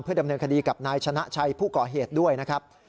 ดำเนินคดีกับนายชนะชัยผู้ก่อเหตุด้วยนะครับ